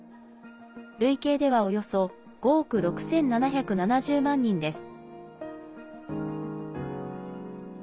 累計ではおよそ５億６７７０万人です。